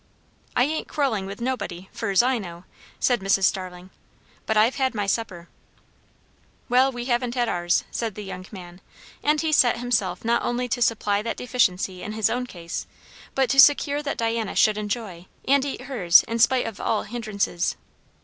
"I ain't quarrelling with nobody fur's I know," said Mrs. Starling; "but I've had my supper." "Well, we haven't had ours," said the young man; and he set himself not only to supply that deficiency in his own case, but to secure that Diana should enjoy and eat hers in spite of all hindrances.